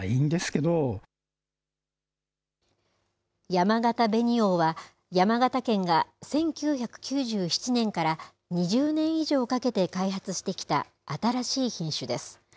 やまがた紅王は、山形県が１９９７年から２０年以上かけて開発してきた新しい品種です。